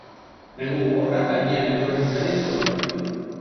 Negu gogorra gainean etorri zitzaien kolonoei.